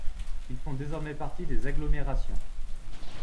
Ils font désormais partie des agglomérations.